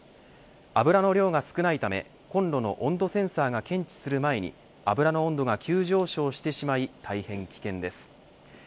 油の量が少ないためコンロの温度センサーが検知する前に油の温度が急上昇してしまい大変危険です。